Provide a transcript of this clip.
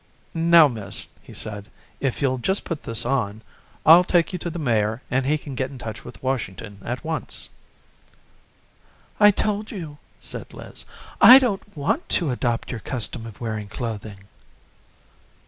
"Now, Miss," he said, "if you'll just put this on, I'll take you to the mayor and he can get in touch with Washington at once." "I told you," said Liz, "I don't want to adopt your custom of wearing clothing."